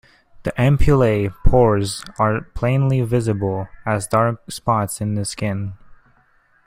The ampullae pores are plainly visible as dark spots in the skin.